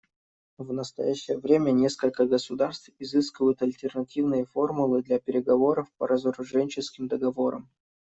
В настоящее время несколько государств изыскивают альтернативные формулы для переговоров по разоруженческим договорам.